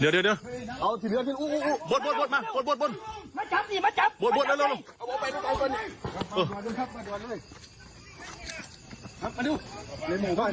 เดี๋ยว